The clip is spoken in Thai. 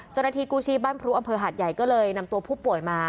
เจ้าหน้าที่กู้ชีพบ้านพรุอำเภอหาดใหญ่ก็เลยนำตัวผู้ป่วยมา